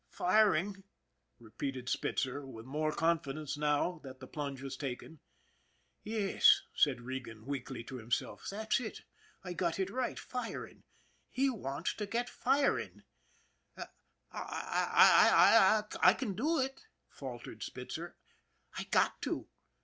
" Firing," repeated Spitzer, with more confidence now that the plunge was taken. " Yes," said Regan weakly to himself. " That's it. I got it right firing ! He wants to get firing! "" I I can do it," faltered Spitzer. " I got to."